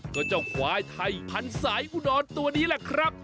ก็เจ้าควายไทยพันธุ์สายอุดรตัวนี้แหละครับ